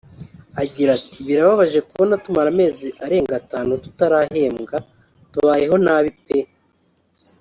Agira ati “Birababaje kubona tumara amezi arenga atanu tutarahembwa tubayeho nabi pe